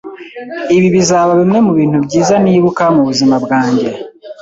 Ibi bizaba bimwe mubintu byiza nibuka mubuzima bwanjye.